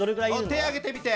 手挙げてみて。